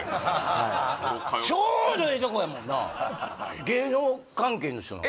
はいちょうどええとこやもんな芸能関係の人なの？